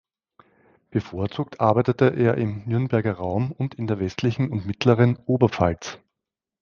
Bevorzugt arbeitete er im Nürnberger Raum und in der westlichen und mittleren Oberpfalz.